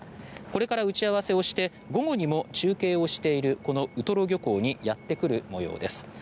これから打ち合わせをして午後にも、中継をしているこのウトロ漁港にやってくる模様です。